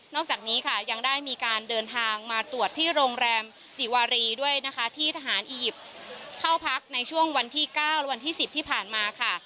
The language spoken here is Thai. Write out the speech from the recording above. จากนี้ค่ะยังได้มีการเดินทางมาตรวจที่โรงแรมติวารีด้วยนะคะที่ทหารอียิปต์เข้าพักในช่วงวันที่๙และวันที่๑๐ที่ผ่านมาค่ะ